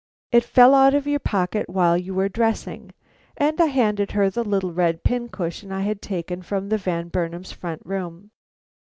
It fell out of your pocket while you were dressing." And I handed her the little red pin cushion I had taken from the Van Burnams' front room.